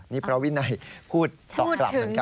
นี่พระวินัยพูดตอบกลับเหมือนกัน